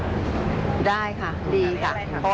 ๓ปีกว่าค่ะ